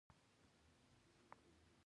دا کرنې ته تر ورتګ مخکې په دې سیمه کې و